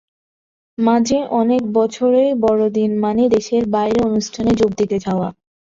মাঝে অনেক বছরই বড়দিন মানে দেশের বাইরে অনুষ্ঠানে যোগ দিতে যাওয়া।